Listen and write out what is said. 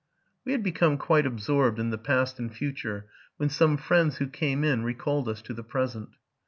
We had become quite absorbed in the past and future, when some friends who came in recalled us to the present.